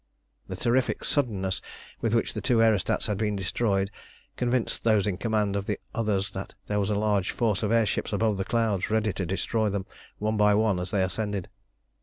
The terrific suddenness with which the two aerostats had been destroyed convinced those in command of the others that there was a large force of air ships above the clouds ready to destroy them one by one as they ascended.